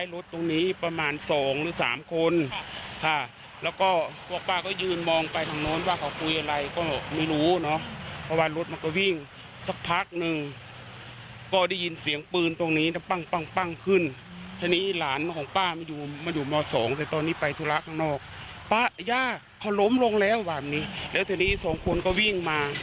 แล้วแต่นี้สองคนก็วิ่งมา